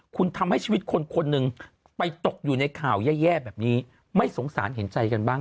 คุณทำให้ชีวิตคนคนหนึ่งไปตกอยู่ในข่าวแย่แบบนี้ไม่สงสารเห็นใจกันบ้าง